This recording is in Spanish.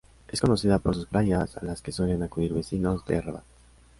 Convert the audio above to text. Es conocida por sus playas, a las que suelen acudir vecinos de Rabat.